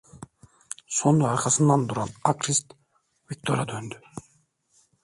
Sonra arkasında duran aktris Viktor'a döndü: